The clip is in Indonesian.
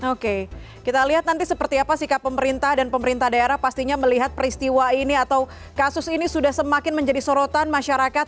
oke kita lihat nanti seperti apa sikap pemerintah dan pemerintah daerah pastinya melihat peristiwa ini atau kasus ini sudah semakin menjadi sorotan masyarakat